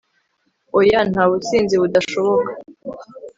oya, nta businzi budashoboka